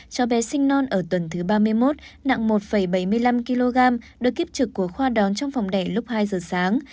cho bé sinh non ở tuần thứ ba mươi một nặng một bảy mươi năm kg được kiếp trực của khoa đón trong phòng đẻ lúc hai giờ sáng